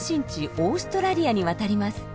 オーストラリアに渡ります。